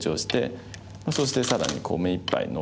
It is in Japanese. そして更に目いっぱいノビて。